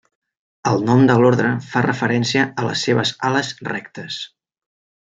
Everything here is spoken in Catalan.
El nom de l'ordre fa referència a les seves ales rectes.